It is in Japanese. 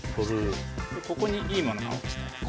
ここにいいものが落ちてます。